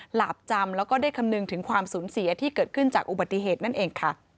หลาบจำแล้วก็ได้คำนึงถึงความสูญเสียที่เกิดขึ้นจากอุบัติเหตุนั่นเองค่ะ